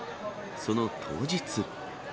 その当日。